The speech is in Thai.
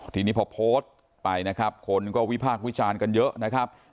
ทีนี้พอโพสต์ไปนะครับคนก็วิพากษ์วิจารณ์กันเยอะนะครับ